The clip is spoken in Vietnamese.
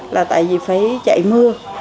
là tại vì phải chạy mưa